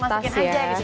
masuk masukin aja gitu